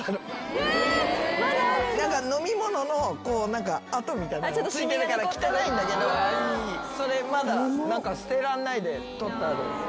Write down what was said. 飲み物の跡みたいなのが付いてるから汚いんだけどまだ捨てられないで取ってある。